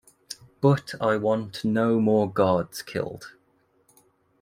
But I want no more guards killed.